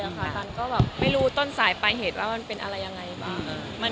น้ำตาลก็ไม่รู้ต้นสายภายเหตุเป็นอะไรยังไงบ้าง